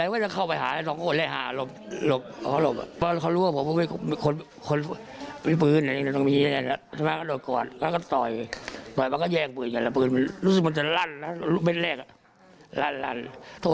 ไม่รู้จะพูดอะไรนะคือมองหน้าก็เข้าใจแล้ว